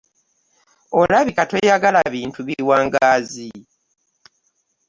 Olabika toyagala bintu biwangaazi.